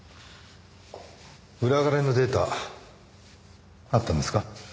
裏金のデータあったんですか？